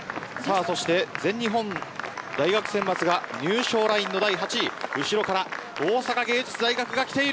そして全日本大学選抜が入賞ラインの第８位後ろから大阪芸術大学がきている。